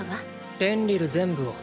レンリル全部を。